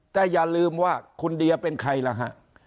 แต่อย่าลืมว่าคุณเดียเป็นใครล่ะฮะ